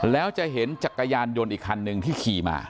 แล้วจะเห็นจักรยานยนต์อีกคันหนึ่งที่ขี่มา